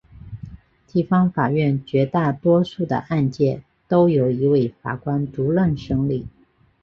地方法院绝大多数的案件都由一位法官独任审理。